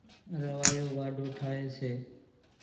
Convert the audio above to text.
راوايو واڍو ٺاۿيَ سي۔